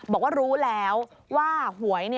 บอกว่ารู้แล้วว่าหวย